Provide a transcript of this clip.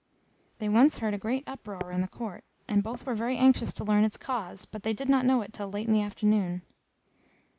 They once heard a great uproar in the court, and both were very anxious to learn its cause, but they did not know it till late in the afternoon.